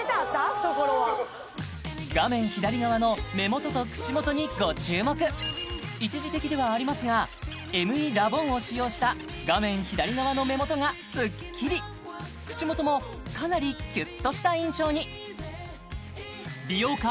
ふところは画面左側の目元と口元にご注目一時的ではありますがＭＥラボンを使用した画面左側の目元がスッキリ口元もかなりキュッとした印象に美容家